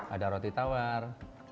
ada roti tawar